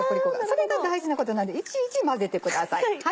それが大事なことなんでいちいち混ぜてください。